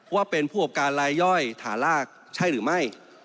ว่าเป็นผู้อบการลายย่อยฐานลากใช่หรือไม่